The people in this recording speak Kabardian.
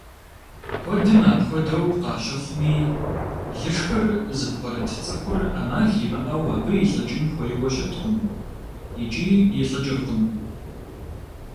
Куэдым апхуэдэу къащыхъуми, лышхыр зыпкърыт цӀыхур Ӏэмал имыӀэу абы илӀыкӀын хуейуэ щыткъым икӀи илӀыкӀыркъым.